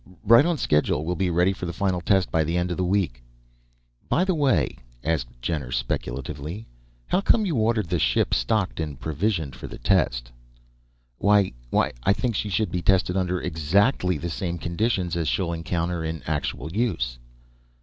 "Right on schedule. We'll be ready for the final test by the end of the week." "By the way," asked Jenner, speculatively, "how come you ordered the ship stocked and provisioned, for the test?" "Why ... why I think she should be tested under exactly the same conditions as she'll encounter in actual use."